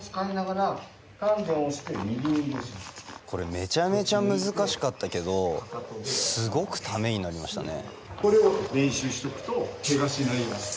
これめちゃめちゃ難しかったけどすごくためになりましたね。